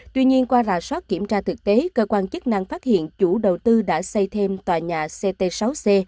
tuy nhiên qua rà soát kiểm tra thực tế cơ quan chức năng phát hiện chủ đầu tư đã xây thêm tòa nhà ct sáu c